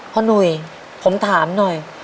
หนุ่ยผมถามหน่อย